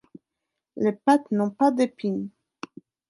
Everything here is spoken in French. Les pattes n'ont pas d'épines.